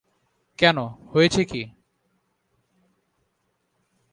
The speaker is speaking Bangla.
কেন, হয়েছে কী।